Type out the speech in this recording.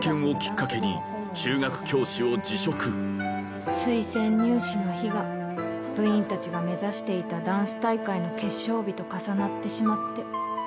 佐倉は推薦入試の日が部員たちが目指していたダンス大会の決勝日と重なってしまって。